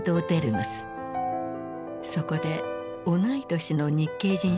そこで同い年の日系人